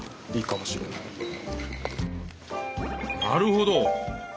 なるほど！